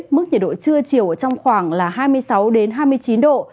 mức nhiệt độ trưa chiều trong khoảng hai mươi sáu đến hai mươi chín độ